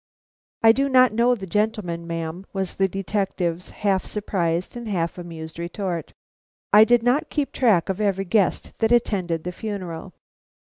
"I do not know the gentleman, ma'am," was the detective's half surprised and half amused retort. "I did not keep track of every guest that attended the funeral."